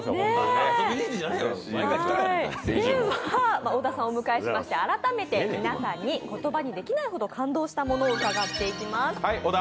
では、小田さんをお迎えしまして、改めて言葉にできないほど感動したものを伺っていきます。